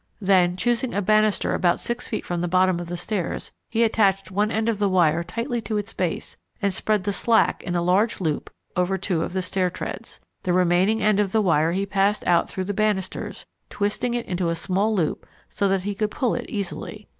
Then, choosing a banister about six feet from the bottom of the stairs he attached one end of the wire tightly to its base and spread the slack in a large loop over two of the stair treads. The remaining end of the wire he passed out through the banisters, twisting it into a small loop so that he could pull it easily.